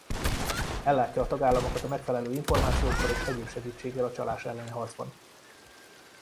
Ellátja a tagállamokat a megfelelő információkkal és egyéb segítséggel a csalás elleni harcban.